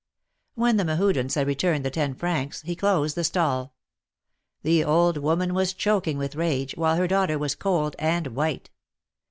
When the Mehudens had returned the ten francs, he closed the stall. The old woman was choking with rage, while her daughter was cold and white.